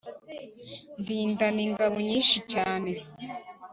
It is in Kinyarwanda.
Ndindana ingabo nyinshi cyane